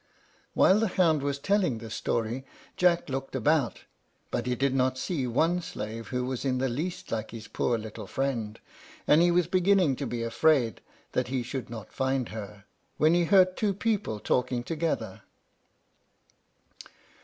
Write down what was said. While the hound was telling this story Jack looked about, but he did not see one slave who was in the least like his poor little friend, and he was beginning to be afraid that he should not find her, when he heard two people talking together.